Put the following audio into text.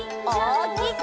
おおきく！